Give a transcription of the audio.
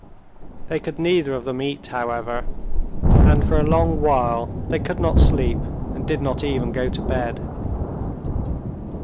They could neither of them eat, however, and for a long while they could not sleep, and did not even go to bed.